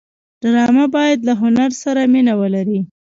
ډرامه باید له هنر سره مینه ولري